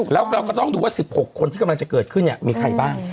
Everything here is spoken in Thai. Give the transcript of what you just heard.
แล้วเราก็ต้องดูว่า๑๖คนที่กำลังจะเกิดขึ้นเนี่ยมีใครบ้าง